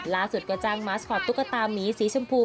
ล่าสุดก็จ้างมัสคอตตุ๊กตามีสีชมพู